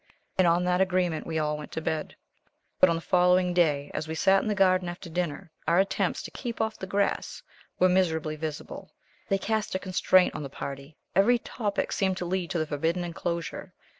And on that agreement we all went to bed. But on the following day, as we sat in the garden after dinner, our attempts to "keep off the grass" were miserably visible. They cast a constraint on the party. Every topic seemed to lead to the forbidden enclosure.